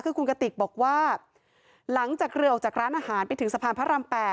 คือคุณกติกบอกว่าหลังจากเรือออกจากร้านอาหารไปถึงสะพานพระราม๘